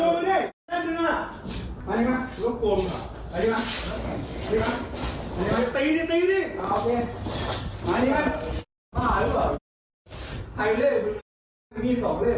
อ่าแล้วมือเป็นอย่างไร